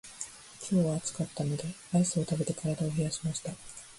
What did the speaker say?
今日は暑かったのでアイスを食べて体を冷やしました。